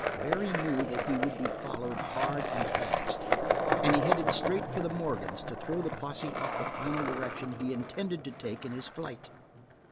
Barry knew that he would be followed hard and fast, and he headed straight for the Morgan's to throw the posse off the final direction he intended to take in his flight.